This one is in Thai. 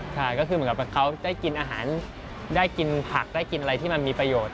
ใช่ก็คือเหมือนกับเขาได้กินอาหารได้กินผักได้กินอะไรที่มันมีประโยชน์